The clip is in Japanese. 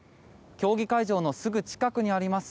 競技会場のすぐ近くにあります